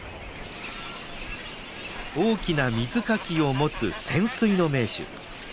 大きな水かきを持つ潜水の名手。